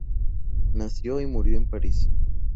Nació y murió en París.